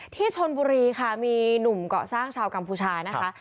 ที่ชนบุรีค่ะมีหนุ่มเกาะสร้างชาวกัมพูชานะคะ